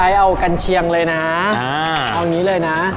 พี่ไอซ์เอากันเชียงเลยนะเอาอย่างนี้เลยนะ